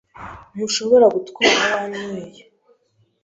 Ntushobora gutwara. Wanyweye.